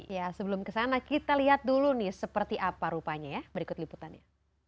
ya sebelum kesana kita lihat dulu nih seperti apa rupanya ya berikut liputannya